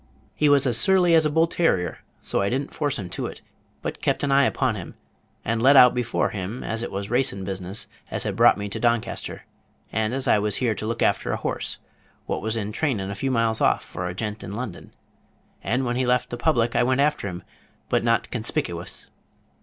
He was as surly as a bull terrier, so I did n't force him to it, but kept an eye upon him, and let out before him as it was racin' business as had brought me to Doncaster, and as I was here to look after a horse, what was in trainin' a few miles off, for a gent in London; and when he left the public I went after him, but not conspikiwous.